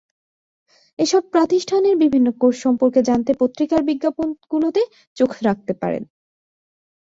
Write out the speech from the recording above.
এসব প্রতিষ্ঠানের বিভিন্ন কোর্স সম্পর্কে জানতে পত্রিকার বিজ্ঞাপনগুলোতে চোখ রাখতে পারেন।